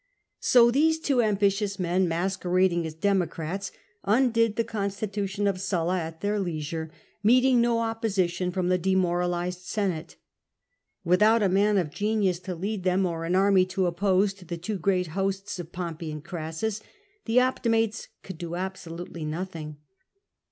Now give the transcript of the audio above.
So these two ambitious men, masquerading as Demo crats, undid the constitution of Sulla at their leisure, meeting no opposition from the demoralised Senate. Without a man of genius to lead them, or an army to oppose to the two great hosts of Pompey and Orassus, the Optimates could do absolutely nothing.